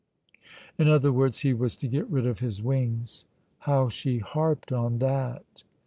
In other words, he was to get rid of his wings. How she harped on that!